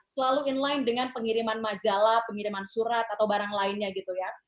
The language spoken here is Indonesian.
selalu in line dengan pengiriman majalah pengiriman surat atau barang lainnya gitu ya